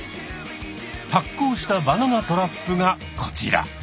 発酵したバナナトラップがこちら。